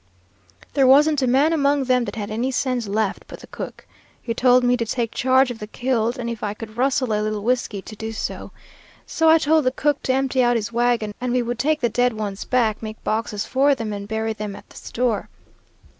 "There wasn't a man among them that had any sense left but the cook. He told me to take charge of the killed, and if I could rustle a little whiskey to do so. So I told the cook to empty out his wagon, and we would take the dead ones back, make boxes for them, and bury them at the store.